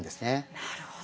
なるほど。